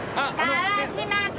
川島君。